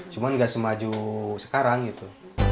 cuman enggak semaju sekarang gitu